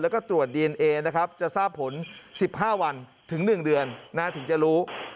แล้วก็ตรวจดีเอนะครับจะทราบผลสิบห้าวันถึงหนึ่งเดือนนะถึงจะรู้